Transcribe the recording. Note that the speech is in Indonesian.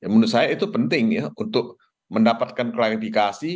menurut saya itu penting ya untuk mendapatkan klarifikasi